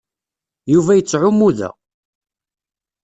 Yuba yettɛummu da.